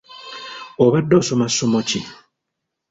Obadde osoma ssomo ki?